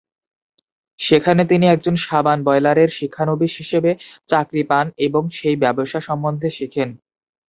সেখানে তিনি একজন সাবান বয়লারের শিক্ষানবিশ হিসেবে চাকরি পান এবং সেই ব্যবসা সম্বন্ধে শেখেন।